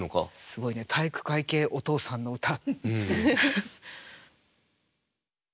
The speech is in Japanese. すごいね体育会系お父さんの歌。